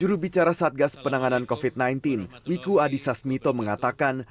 jurubicara satgas penanganan covid sembilan belas wiku adhisa smito mengatakan